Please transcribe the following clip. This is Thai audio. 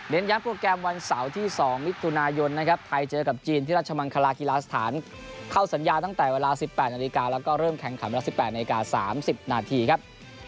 ย้ำโปรแกรมวันเสาร์ที่๒มิถุนายนนะครับไทยเจอกับจีนที่ราชมังคลากีฬาสถานเข้าสัญญาตั้งแต่เวลา๑๘นาฬิกาแล้วก็เริ่มแข่งขันเวลา๑๘นาที๓๐นาทีครับ